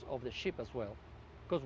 dan tujuan kapal juga